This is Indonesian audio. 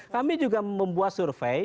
kami juga membuat survei